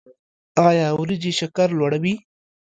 ایا وریجې شکر لوړوي؟